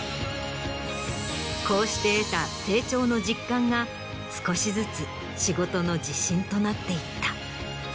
こうして得た成長の実感が少しずつ仕事の自信となっていった。